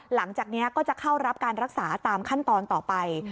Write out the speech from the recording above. หลังจากนี้ก็จะเข้ารับการรักษาตามขั้นตอนต่อไป